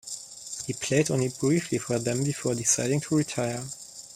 He played only briefly for them before deciding to retire.